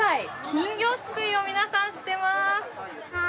金魚すくいを皆さんしてます！